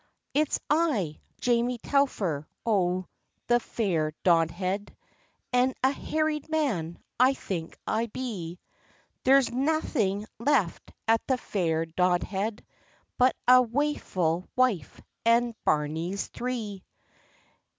"It's I, Jamie Telfer o' the fair Dodhead, And a harried man I think I be! There's naething left at the fair Dodhead, But a waefu' wife and bairnies three.